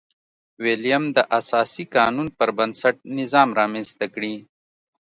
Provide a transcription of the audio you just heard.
ویلیم د اساسي قانون پربنسټ نظام رامنځته کړي.